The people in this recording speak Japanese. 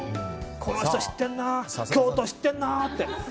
この人知っているな京都知っているなって。